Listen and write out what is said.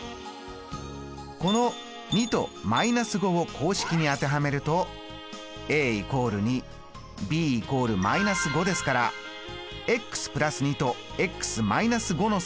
この２と−５を公式に当てはめると＝２ｂ＝−５ですから＋２と−５の積になります。